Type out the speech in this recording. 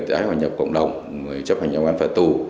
đã hòa nhập cộng đồng người chấp hành trong án phạt tù